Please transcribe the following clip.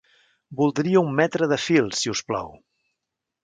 Voldria un metre de fil, si us plau.